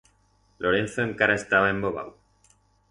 Lorenzo encara estaba embobau.